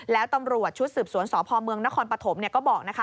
แล้วตำรวจชุดสืบสวนสพเมืองนครปฐมก็บอกนะคะ